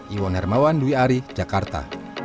iwan hermawan dwi ari jakarta